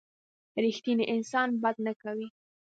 رښتینی انسان بد نه کوي.